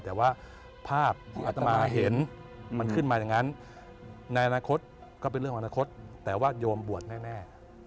แต่ว่าภาพที่อัตมาเห็นมันขึ้นมาอย่างนั้นในอนาคตก็เป็นเรื่องของอนาคตแต่ว่าโยมบวชแน่